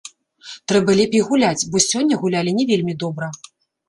Трэба лепей гуляць, бо сёння гулялі не вельмі добра.